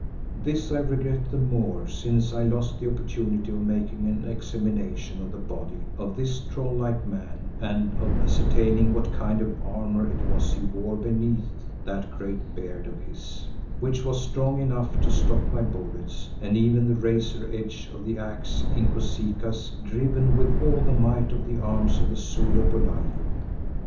This I regret the more since I lost the opportunity of making an examination of the body of this troll like man, and of ascertaining what kind of armour it was he wore beneath that great beard of his, which was strong enough to stop my bullets, and even the razor edge of the axe Inkosikaas driven with all the might of the arms of the Zulu, Bulalio.